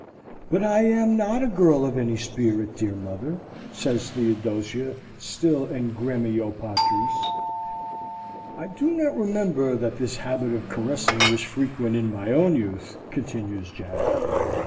"'But I am not a girl of any spirit, dear mother!' says Theodosia, still in gremio patris. I do not remember that this habit of caressing was frequent in my own youth," continues Jack.